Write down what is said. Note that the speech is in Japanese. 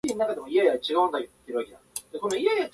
わかりみ